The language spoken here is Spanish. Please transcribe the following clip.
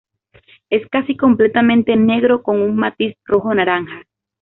Es casi completamente negro, con un matiz rojo naranja.